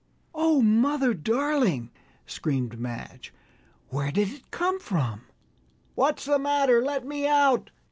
"Oh, mother, darling!" screamed Madge, "where did it come from?" "What's the matter? Let me out!"